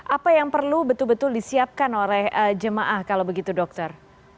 apa yang perlu betul betul disiapkan oleh jemaah kalau begitu dokter